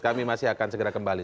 kami masih akan segera kembali